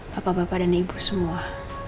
bapak bapak dan ibu semua